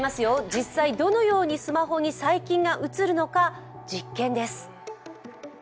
実際どのようにスマホに細菌が移るのか、実験です。